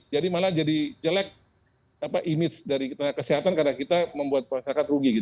jadi malah jadi jelek image dari tenaga kesehatan karena kita membuat persyaratan rugi gitu